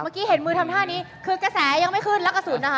เมื่อกี้เห็นมือทำท่านี้คือกระแสยังไม่ขึ้นแล้วกระสุนนะคะ